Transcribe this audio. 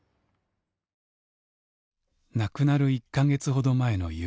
亡くなる１か月ほど前の夕方。